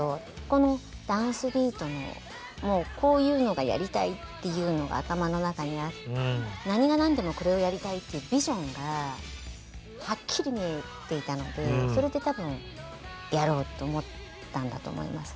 このダンスビートのこういうのがやりたいっていうのが頭の中にあって何が何でもこれをやりたいっていうビジョンがはっきり見えていたのでそれで多分やろうと思ったんだと思いますね。